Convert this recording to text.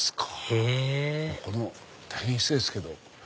へぇここの大変失礼ですけど。